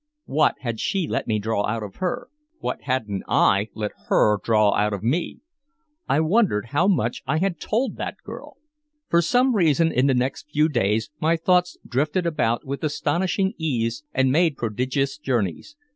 What had she let me draw out of her? What hadn't I let her draw out of me? I wondered how much I had told that girl. For some reason, in the next few days, my thoughts drifted about with astonishing ease and made prodigious journeys.